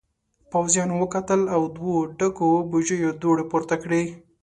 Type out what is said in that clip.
پوځيانو وکتل او دوو ډکو بوجيو دوړې پورته کړې.